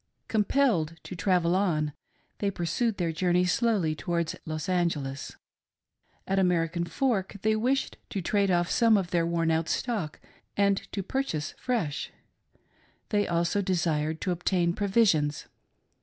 Compelled to travel on, they pursued their journey slowly towards Los Angeles. At American Fork they wished to trade qff some of their worn out stock and to purchase fresh, — they also desired to obtain provisions.